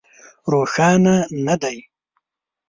روښانه نه دي.